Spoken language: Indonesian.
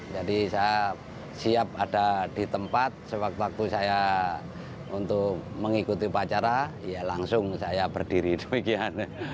jadi saya siap ada di tempat sewaktu waktu saya untuk mengikuti upacara ya langsung saya berdiri demikian